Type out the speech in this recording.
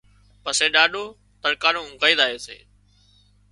پسي ڏاڏو تڙڪا نو اونگھائي زائي سي